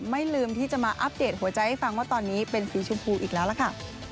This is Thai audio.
ไม่ลืมที่จะมาอัปเดตหัวใจให้ฟังว่าตอนนี้เป็นสีชมพูอีกแล้วล่ะค่ะ